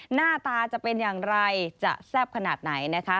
หน้าตาจะเป็นอย่างไรจะแซ่บขนาดไหนนะคะ